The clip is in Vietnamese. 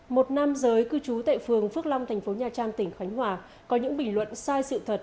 một nam giới cư trú tại phường phước long thành phố nha trang tỉnh khánh hòa có những bình luận sai sự thật